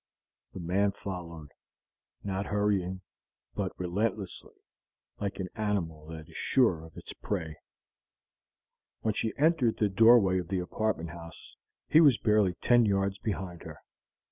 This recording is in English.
The man followed not hurrying, but relentlessly, like an animal that is sure of its prey. When she entered the doorway of the apartment house, he was barely ten yards behind her.